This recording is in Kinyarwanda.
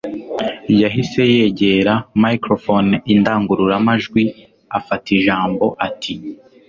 Yahise yegera microphoneindangururamajwi afata ijambo ati